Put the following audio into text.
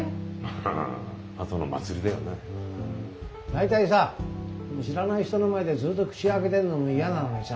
大体さ知らない人の前でずっと口開けてるのも嫌なのにさ